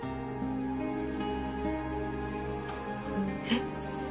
えっ？